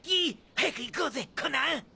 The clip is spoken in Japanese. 早く行こうぜコナン！